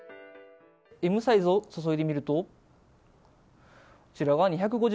Ｍサイズを注いでみるとこちらは２５０ｃｃ。